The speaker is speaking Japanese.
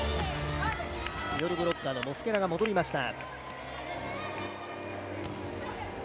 ミドルブロッカーのモスケラが戻りました。